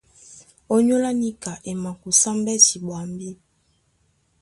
Ónyólá níka e makusá mbɛ́ti ɓwambì.